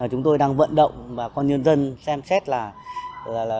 chúng tôi đang vận động bà con nhân dân xem xét là